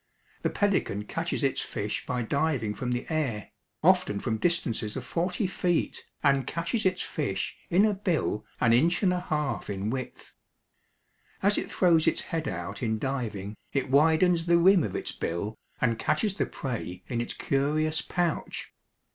The pelican catches its fish by diving from the air, often from distances of forty feet, and catches its fish in a bill an inch and a half in width. As it throws its head out in diving, it widens the rim of its bill and catches the prey in its curious pouch.